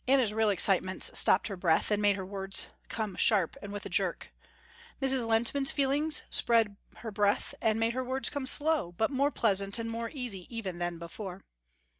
Anna's real excitements stopped her breath, and made her words come sharp and with a jerk. Mrs. Lehntman's feelings spread her breath, and made her words come slow, but more pleasant and more easy even than before.